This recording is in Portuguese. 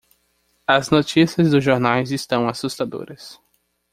as notícias dos jornais estão assustadoras